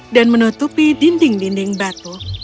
dan menutupi dinding dinding batu